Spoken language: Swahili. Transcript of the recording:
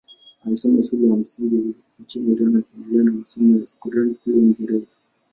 Alisoma shule ya msingi nchini Iran akaendelea na masomo ya sekondari kule Uingereza.